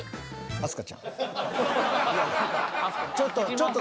ちょっと。